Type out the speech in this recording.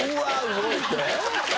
動いて。